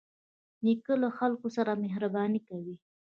نیکه له خلکو سره مهرباني کوي.